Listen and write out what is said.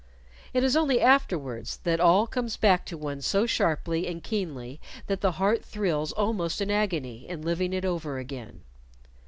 It is only afterwards that all comes back to one so sharply and keenly that the heart thrills almost in agony in living it over again.